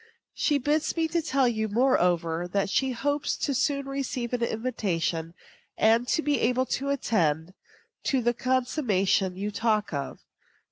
She bids me tell you, moreover, that she hopes soon to receive an invitation, and be able to attend, to the consummation you talk of.